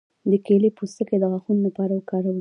د کیلې پوستکی د غاښونو لپاره وکاروئ